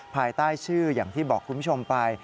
ภายใต้ชื่ออย่างที่บอกคุณผู้ชมไป